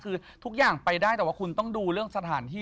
คือทุกอย่างไปได้แต่ว่าคุณต้องดูเรื่องสถานที่